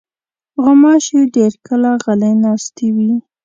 غوماشې ډېر کله غلې ناستې وي.